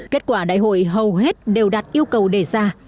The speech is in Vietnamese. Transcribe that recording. kết quả đại hội hầu hết đều đạt yêu cầu đề ra